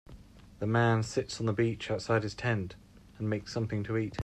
A man sits on the beach outside his tent and makes something to eat.